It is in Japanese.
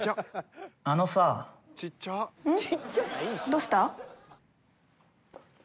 どうした？